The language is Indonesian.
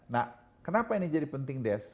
nah kenapa ini jadi penting des